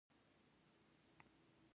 ایا پښې مو پړسیږي؟